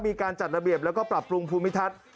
มีการจัดระเบียบแล้วก็ปรับปรุงภูมิทัศน์